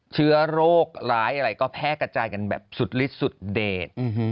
เชื้อโรคร้ายอะไรก็แพร่กระจายกันแบบสุดลิดสุดเดช